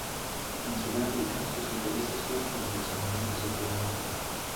En Sudáfrica, sus intereses fueron la taxonomía de su flora.